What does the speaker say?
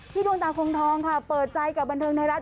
ดวงตาคงทองค่ะเปิดใจกับบันเทิงไทยรัฐ